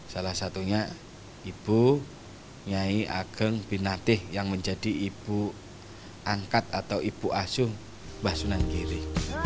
salah satunya ibu nyai ageng binatih yang menjadi ibu angkat atau ibu asung basunanggiri